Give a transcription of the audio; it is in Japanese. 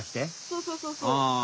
そうそうそうそう。